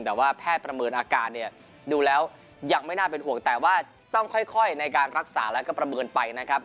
แต่ว่าแพทย์ประเมินอาการเนี่ยดูแล้วยังไม่น่าเป็นห่วงแต่ว่าต้องค่อยในการรักษาแล้วก็ประเมินไปนะครับ